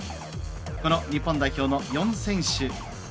この日本代表の４選手。